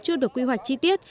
chưa được quy hoạch chi tiết